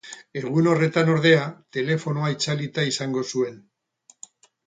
Egun horretan, ordea, telefonoa itzalita izango zuen.